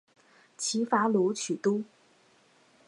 齐伐鲁取都。